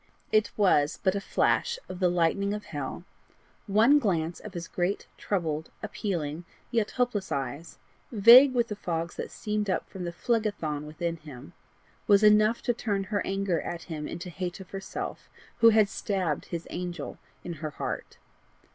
It was but a flash of the lightning of hell: one glance of his great, troubled, appealing, yet hopeless eyes, vague with the fogs that steamed up from the Phlegethon within him, was enough to turn her anger at him into hate of herself who had stabbed his angel in her heart.